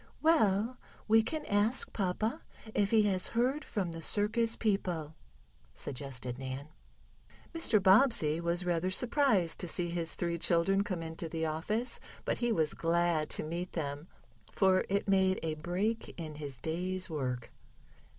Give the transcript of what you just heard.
"Well, we can ask papa if he has heard from the circus people," suggested Nan. Mr. Bobbsey was rather surprised to see his three children come into the office, but he was glad to meet them, for it made a break in his day's work.